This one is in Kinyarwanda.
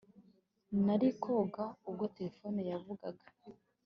Nari koga ubwo terefone yavugaga